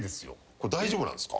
これ大丈夫なんすか？